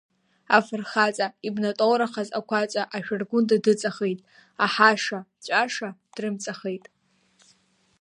Афырхаҵа, ибнатоурахаз ақәаҵа ашәыргәында дыҵахеит, аҳаша-ҵәаша дрымҵахеит.